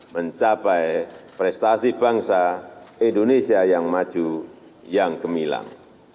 mencapai prestasi bangsa indonesia yang maju yang gemilang